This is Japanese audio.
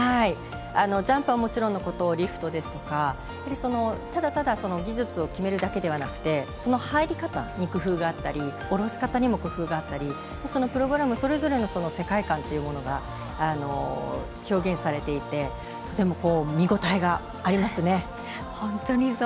ジャンプは、もちろんのことリフトですとかやはり、ただただ技術を決めるだけではなくてその入り方に工夫があったり降ろし方にも工夫があったりそのプログラムそれぞれの世界観というものが表現されていてとても、見応えがありますね。